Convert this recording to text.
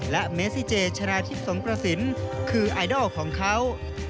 และเมซิเจชนะที่สองประสิทธิ์คือไอดอลของเขา